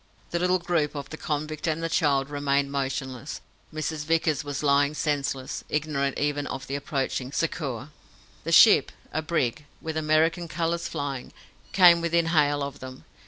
The little group of the convict and the child remained motionless. Mrs. Vickers was lying senseless, ignorant even of the approaching succour. The ship a brig, with American colours flying came within hail of them.